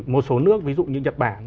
một số nước ví dụ như nhật bản